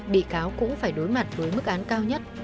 bị cáo cũng phải đối mặt với mức án cao nhất